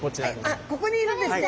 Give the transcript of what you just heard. あっここにいるんですね。